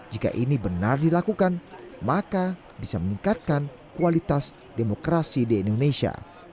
jika ini benar dilakukan maka bisa meningkatkan kualitas demokrasi di indonesia